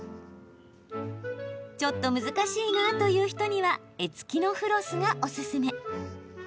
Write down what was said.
ちょっと難しいという人には柄付きのフロスがおすすめ。